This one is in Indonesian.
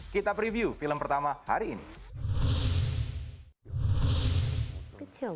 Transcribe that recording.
kita preview film pertama hari ini